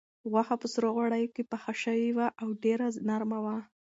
غوښه په سرو غوړیو کې پخه شوې وه او ډېره نرمه وه.